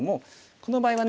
この場合はね